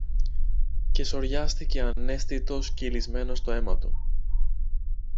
Και σωριάστηκε αναίσθητος, κυλισμένος στο αίμα του.